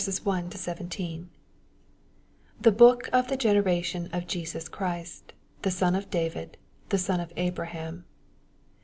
1 The book of the generation of JeBi^ Christ, the son of David, the son of Abraham.